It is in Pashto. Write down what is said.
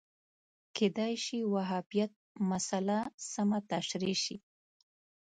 کېدای شو وهابیت مسأله سمه تشریح شي